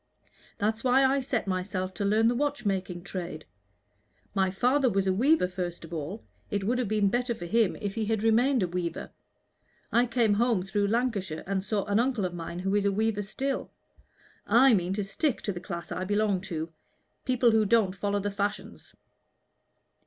That's why I set myself to learn the watchmaking trade. My father was a weaver first of all. It would have been better for him if he had remained a weaver. I came home through Lancashire and saw an uncle of mine who is a weaver still. I mean to stick to the class I belong to people who don't follow the fashions."